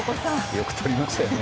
よくとりましたよね。